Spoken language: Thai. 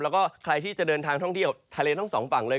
แล้วก็ใครที่จะเดินทางท่องเที่ยวทะเลทั้งสองฝั่งเลย